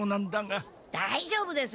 だいじょうぶです。